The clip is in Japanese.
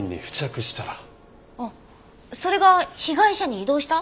あっそれが被害者に移動した？